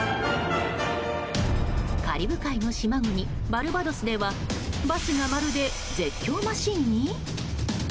カリブ海の島国バルバドスではバスがまるで絶叫マシンに。